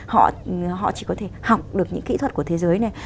họ chỉ có thể học được những kỹ thuật của thế giới này